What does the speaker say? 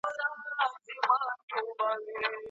ایا په پوهنتونونو کې د نجونو لپاره لیلیه شته؟